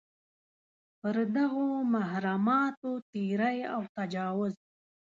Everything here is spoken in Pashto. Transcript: پر دغو محرماتو تېری او تجاوز.